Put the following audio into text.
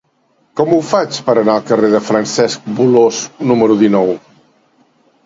Com ho faig per anar al carrer de Francesc Bolòs número dinou?